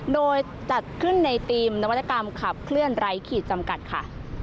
โดยจัดขึ้นในธีมนวัตกรรมขับเคลื่อนไร้ขีดจำกัดค่ะ